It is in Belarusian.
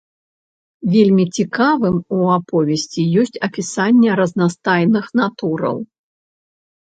Вельмі цікавым у аповесці ёсць апісанне разнастайных натураў.